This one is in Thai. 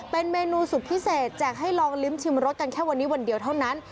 เป็นเมนูสุดพิเศษแจกให้ลองลิ้มชิมรสกันแค่วันนี้วันเดียวเท่านั้น